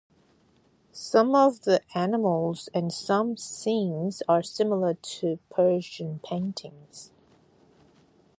Some of the animals and some scenes are similar to Persian paintings.